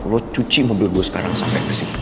lo cuci mobil gue sekarang sampai ke sini